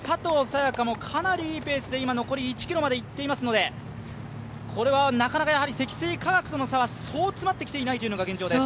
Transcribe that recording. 也伽もかなりいいペースで残り１ｋｍまでいっていますのでなかなか積水化学との差はそう詰まってきていないというのが現状です。